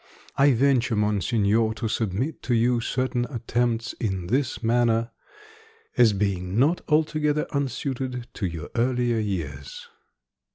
I venture, Monseigneur, to submit to you certain attempts in this manner, as being not altogether unsuited to your earlier years.